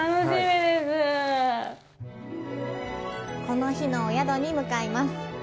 この日のお宿に向かいます。